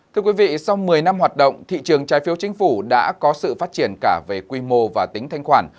thưa quý vị sau một mươi năm hoạt động thị trường trái phiếu chính phủ đã có sự phát triển cả về quy mô và tính thanh khoản